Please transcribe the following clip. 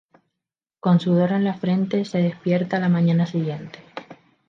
Con sudor en la frente, se despierta a la mañana siguiente.